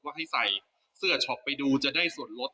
ให้ใส่เสื้อช็อปไปดูจะได้ส่วนลด